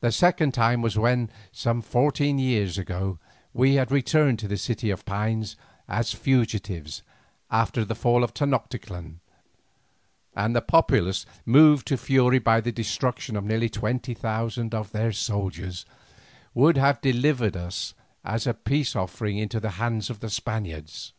The second time was when, some fourteen years ago, we had returned to the City of Pines as fugitives after the fall of Tenoctitlan, and the populace, moved to fury by the destruction of nearly twenty thousand of their soldiers, would have delivered us as a peace offering into the hands of the Spaniards.